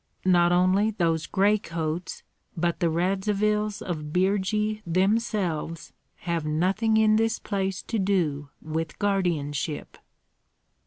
Not only those gray coats, but the Radzivills of Birji themselves have nothing in this place to do with guardianship."